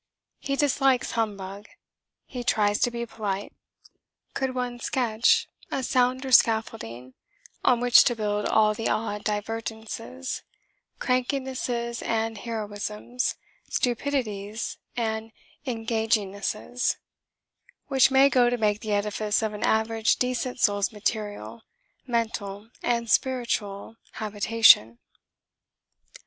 He dislikes humbug: he tries to be polite. Could one sketch a sounder scaffolding on which to build all the odd divergencies crankinesses and heroisms, stupidities and engagingnesses which may go to make the edifice of an average decent soul's material, mental and spiritual habitation?